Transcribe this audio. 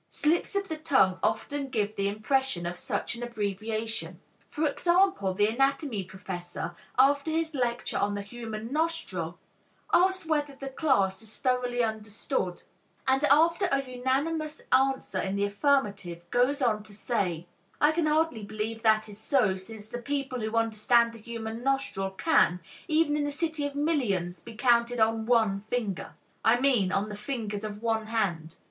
Slips of the tongue often give the impression of such an abbreviation. For example, the anatomy professor, after his lecture on the human nostril, asks whether the class has thoroughly understood, and after a unanimous answer in the affirmative, goes on to say: "I can hardly believe that is so, since the people who understand the human nostril can, even in a city of millions, be counted on one finger I mean, on the fingers of one hand."